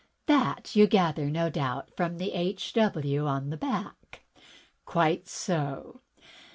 "That you gather, no doubt, from the H. W. upon the back?" "Quite so.